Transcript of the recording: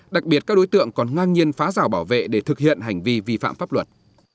đặc biệt các đối tượng còn ngang nhiên phá rào bảo vệ để thực hiện hành vi vi phạm pháp luật